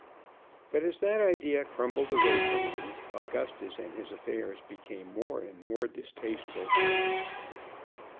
But as that idea crumbled away from him, Augustus and his affairs became more and more distasteful to him.